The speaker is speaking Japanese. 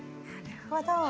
なるほど。